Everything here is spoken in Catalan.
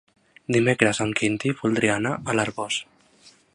Dimecres en Quintí voldria anar a l'Arboç.